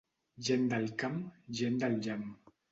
Gent del camp, gent del llamp.